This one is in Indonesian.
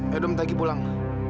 ya udah minta pergi pulang